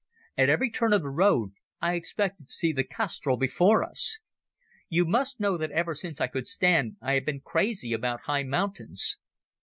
At every turn of the road I expected to see the castrol before us. You must know that ever since I could stand I have been crazy about high mountains.